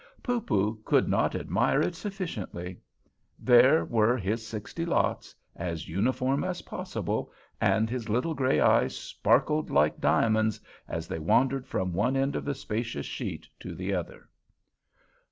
Poopoo could not admire it sufficiently. There were his sixty lots, as uniform as possible, and his little gray eyes sparkled like diamonds as they wandered from one end of the spacious sheet to the other.